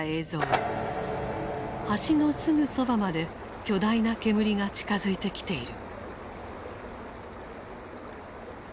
橋のすぐそばまで巨大な煙が近づいてきている。